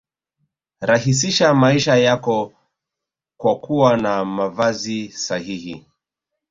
Rahisisha maisha yako kwa kuwa na mavazi sahihi